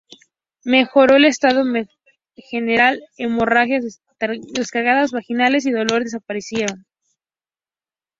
Mejoró el estado general, hemorragias, descargas vaginales y dolor desaparecieron.